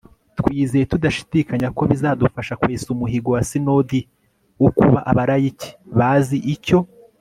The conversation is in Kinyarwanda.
twizeye tudashidikanya ko bizadufasha kwesa umuhigo wa sinodi wo kuba abalayiki bazi icyo